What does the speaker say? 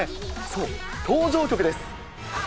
そう、登場曲です。